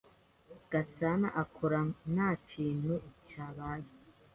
Gasana akora nka ntakintu cyabaye.